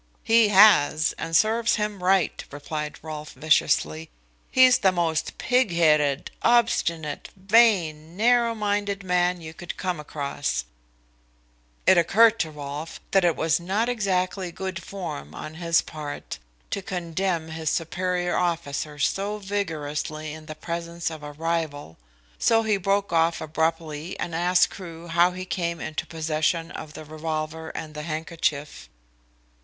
"He has, and serves him right," replied Rolfe viciously. "He's the most pig headed, obstinate, vain, narrow minded man you could come across." It occurred to Rolfe that it was not exactly good form on his part to condemn his superior officer so vigorously in the presence of a rival, so he broke off abruptly and asked Crewe how he came into possession of the revolver and handkerchief.